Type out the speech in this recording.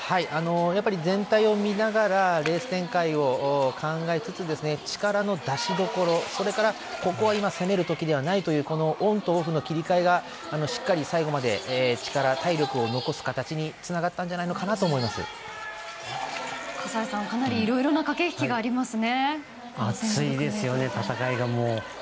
全体を見ながらレース展開を考えつつ力の出しどころここは攻める時ではないというオンとオフの切り替えがしっかりと最後まで体力を残す形につながったんじゃないかとかなりいろいろな熱いですよね、戦いが。